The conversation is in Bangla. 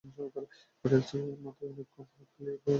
বিড়ালটির মাথায় পিঠে অনেকক্ষণ ধরে হাত বুলিয়ে আদর করলাম।